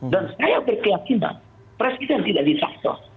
dan saya berkeyakinan presiden tidak ditakjub